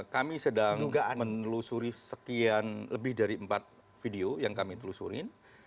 kami sedang menelusuri sekian lebih dari empat video yang kami telusuri